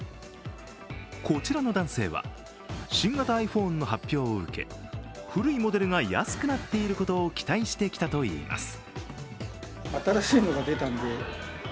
こちらの男性は、新型ｉＰｈｏｎｅの発表を受け古いモデルが安くなっていることを期待して来たといいます。